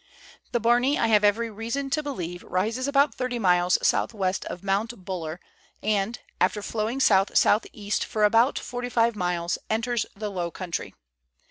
The Barney, I have every reason to believe, rises about 30 miles south west of Mount Buller, and, after flowing south south east for about 45 miles, enters the low country.